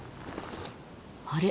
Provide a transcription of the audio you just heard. あれ？